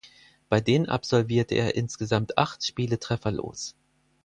Bei denen absolvierte er insgesamt acht Spiele trefferlos.